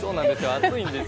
暑いんです。